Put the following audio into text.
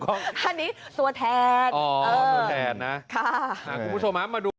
คุณผู้ชมครับคุณผู้ชมครับคุณผู้ชมครับ